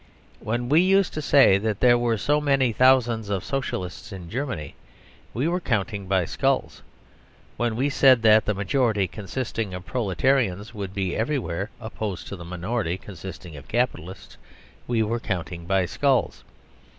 When we used to say that there were so many thousands of Socialists in Germany, we were counting by skulls. When we said that the majority consisting of Proletarians would be everywhere opposed to the minority, consisting of Capitalists, we were counting by skulls.